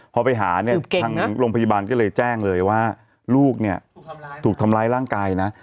พอไปหาเนี่ยทางโรงพยาบาลก็เลยแจ้งเลยว่าลูกเนี่ยถูกทำร้ายร่างกายนะ